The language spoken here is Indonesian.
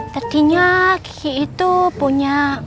tadinya kiki itu punya